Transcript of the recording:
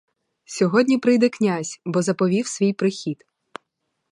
Сьогодні прийде князь, бо заповів свій прихід.